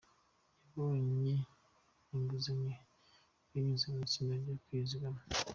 Yabonye inguzanyo binyuze mu itsinda ryo kwizigama.